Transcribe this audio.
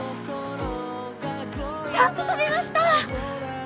ちゃんと飛びました！